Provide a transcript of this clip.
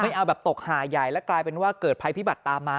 เอาแบบตกหาใหญ่แล้วกลายเป็นว่าเกิดภัยพิบัติตามมา